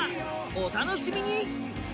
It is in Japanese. お楽しみに。